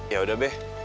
ya udah be